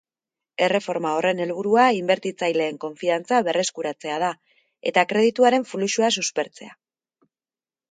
Erreforma horren helburua inbertitzaileen konfiantza berreskuratzea da, eta kredituaren fluxua suspertzea.